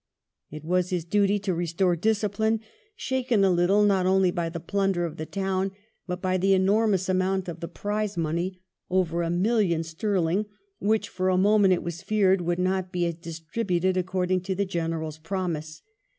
It was his duty to restore discipline, shaken a little not only by the plunder of the town, but by the enormous amount of the prize money, over a million sterling, which for a moment it was feared would not be distributed according to the General's promise.